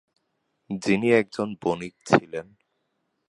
যিনি একজন বণিক ছিলেন।